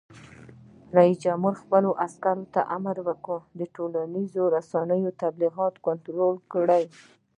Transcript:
رئیس جمهور خپلو عسکرو ته امر وکړ؛ د ټولنیزو رسنیو تبلیغات کنټرول کړئ!